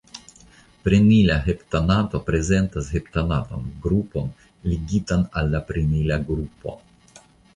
Prenila heptanato prezentas heptanatan grupon ligitan al prenila grupo.